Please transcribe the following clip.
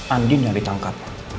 andin yang ditangkap